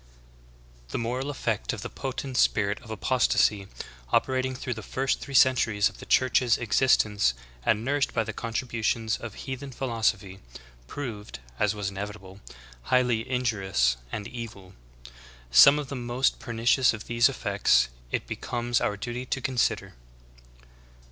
21. The moral effect of the potent spirit of apostasy operating through the first three centuries of the Church's existence and nourished by the contributions of heathen philosophy, proved, as was inevitable, highly injurious and evil. Some of the most pernicious of these effects it be comes our duty to consider.